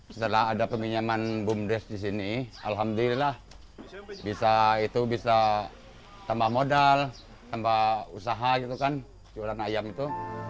setelah ada peminjaman bumdes di sini alhamdulillah bisa tambah modal tambah usaha gitu kan jualan ayam itu